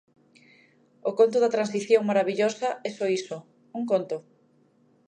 O conto da transición marabillosa é só iso: un conto.